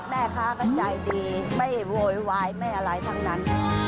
แม่ค้าก็ใจดีไม่โวยวายไม่อะไรทั้งนั้น